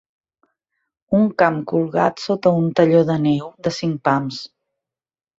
Un camp colgat sota un talló de neu de cinc pams.